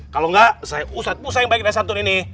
kalau enggak saya ustadz musa yang baik nasyatun ini